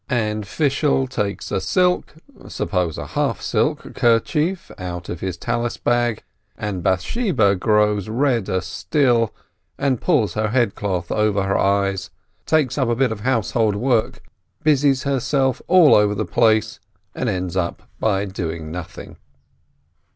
And Fishel takes a silk (suppose a half silk!) kerchief out of his Tallis bag, and Bath sheba grows redder still, and pulls her head cloth over her eyes, takes up a bit of household work, busies herself all over the place, and ends by doing nothing.